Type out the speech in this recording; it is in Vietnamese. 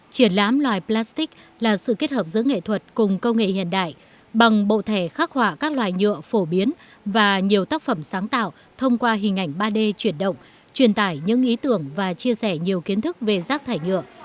triển lãm loài plastic là sự kết hợp giữa nghệ thuật cùng công nghệ hiện đại bằng bộ thẻ khắc họa các loài nhựa phổ biến và nhiều tác phẩm sáng tạo thông qua hình ảnh ba d chuyển động truyền tải những ý tưởng và chia sẻ nhiều kiến thức về rác thải nhựa